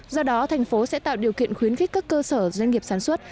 do đó thành phố sẽ tạo điều kiện khuyến khích các cơ sở doanh nghiệp sản xuất